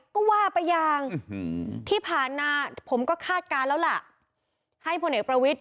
ไม่ว่าไปยังที่ผ่านหน้าผมก็คาดการณ์แล้วล่ะ